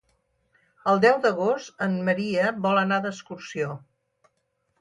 El deu d'agost en Maria vol anar d'excursió.